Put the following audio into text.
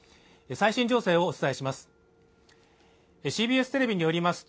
最新情勢をお伝えします